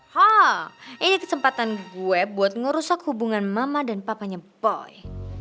hah ini kesempatan gue buat ngerusak hubungan mama dan papanya boy